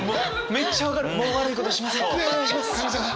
めっちゃ分かる！